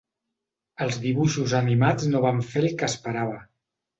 Els dibuixos animats no van fer el que esperava.